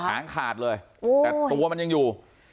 หางขาดเลยแต่ตัวมันยังอยู่